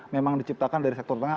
memang diciptakan dari sektor tengah